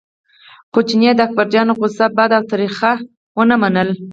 خو چیني د اکبرجان غوسه بده او تریخه ونه منله.